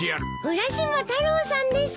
浦島太郎さんです。